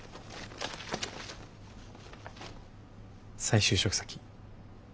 再就職先。